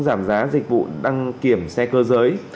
giảm giá dịch vụ đăng kiểm xe cơ giới